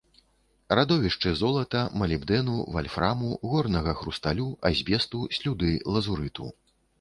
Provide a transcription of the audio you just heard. Радовішчы золата, малібдэну, вальфраму, горнага хрусталю, азбесту, слюды, лазурыту.